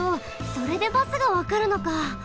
それでバスがわかるのか。